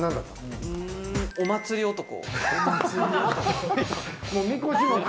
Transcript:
お祭り男。